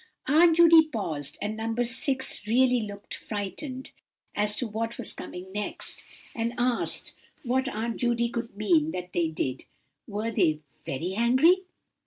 Aunt Judy paused, and No. 6 really looked frightened as to what was coming next, and asked what Aunt Judy could mean that they did. "Were they very angry?"